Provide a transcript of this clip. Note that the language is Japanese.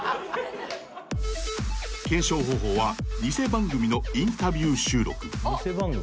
［検証方法は偽番組のインタビュー収録］